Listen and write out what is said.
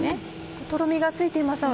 とろみがついていますね。